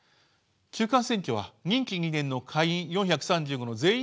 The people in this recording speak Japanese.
中間選挙は任期２年の下院４３５の全員が改選。